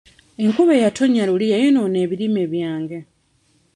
Enkuba eyatonnya luli yayonoona ebirime byange.